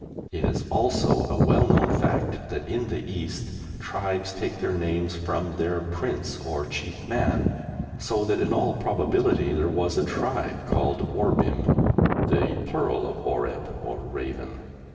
It is also a well known fact that in the East tribes take their names from their prince or chief man, so that in all probability there was a tribe called Orbim (the plural of "oreb" or raven).